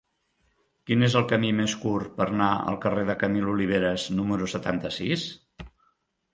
Quin és el camí més curt per anar al carrer de Camil Oliveras número setanta-sis?